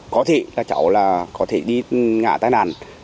có thể là cháu đi ngạ tai nạn